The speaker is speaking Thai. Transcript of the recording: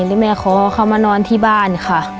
แม่ขอเขามานอนที่บ้านค่ะ